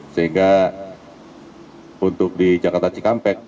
sehingga untuk di jakarta cikampek